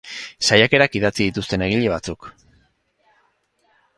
Saiakerak idatzi dituzten egile batzuk.